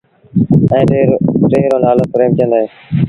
ائيٚݩ ٽي رو نآلو پريمچند اهي۔